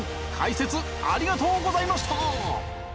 解説ありがとうございました！